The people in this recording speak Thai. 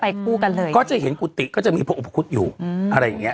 คู่กันเลยก็จะเห็นกุฏิก็จะมีพระอุปคุฎอยู่อืมอะไรอย่างเงี้